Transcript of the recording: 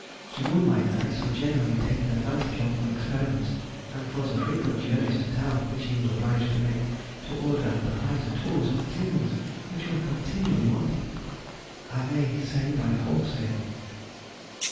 The moonlight nights were generally taken advantage of for experiments, and for the frequent journeys to town which he was obliged to make to order and provide the tools and materials which were continually wanting, I may say by wholesale.